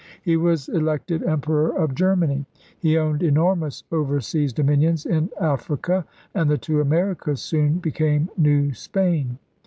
He was elected Emperor of Germany. He owned enormous oversea dominions in Africa; and the two Americas soon became New Spain.